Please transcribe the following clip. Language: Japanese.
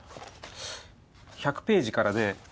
１００ページからで。